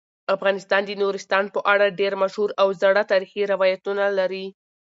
افغانستان د نورستان په اړه ډیر مشهور او زاړه تاریخی روایتونه لري.